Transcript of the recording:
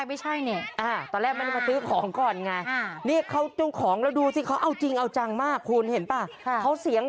อืมตอนแรกไม่ใช่เนี่ย